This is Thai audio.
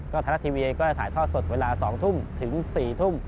ไทยรัฐทีวีเองก็จะถ่ายทอดสดเวลา๒ทุ่มถึง๔ทุ่ม